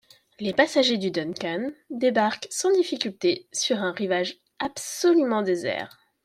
Les passagers du Duncan débarquèrent sans difficulté sur un rivage absolument désert.